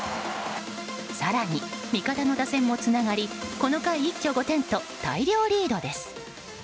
更に味方の打線もつながりこの回一挙５点と大量リードです。